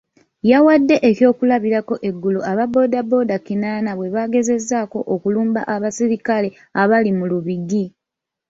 Yawadde eky'okulabirako eggulo aba bbooda bbooda kinaana bwe baagezezzaako okulumba abasirikale abali mu Lubigi.